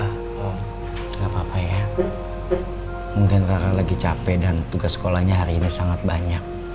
tidak apa apa ya mungkin karena lagi capek dan tugas sekolahnya hari ini sangat banyak